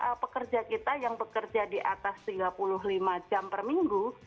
kalau pekerja kita yang bekerja di atas tiga puluh lima jam per minggu